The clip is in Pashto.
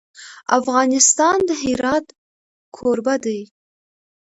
افغانستان د هرات کوربه دی.